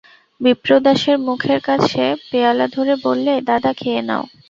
বিপ্রদাসের মুখের কাছে পেয়ালা ধরে বললে, দাদা, খেয়ে নাও।